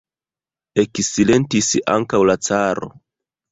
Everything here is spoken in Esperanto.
Eksilentis ankaŭ la caro.